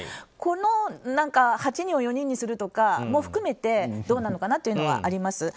この８人を４人にするとかを含めてどうなのかなというのはあります。